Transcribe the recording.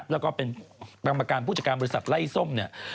แล้วก็เป็นกรรมการผู้จัดการบริษัทไล่ส้มเนี่ย